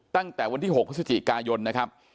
ตั้งแต่วันที่๖พฤศจิกายนนะครับ